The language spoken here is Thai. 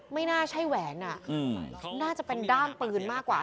ไม่น่าใช่แหวนน่าจะเป็นด้ามปืนมากกว่า